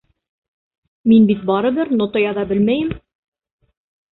Мин бит барыбер нота яҙа белмәйем.